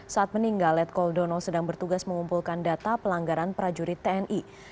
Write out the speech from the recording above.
saat meninggal letkoldono sedang bertugas mengumpulkan data pelanggaran prajurit tni